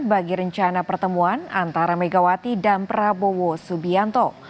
bagi rencana pertemuan antara megawati dan prabowo subianto